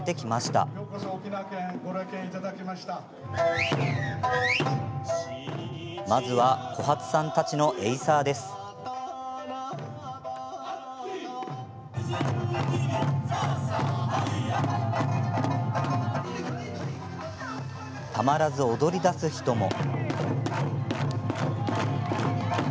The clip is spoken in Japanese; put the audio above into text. たまらず踊りだす人も。